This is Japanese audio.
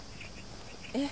えっ。